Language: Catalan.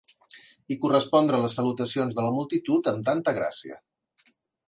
I correspondre a les salutacions de la multitud amb tanta gràcia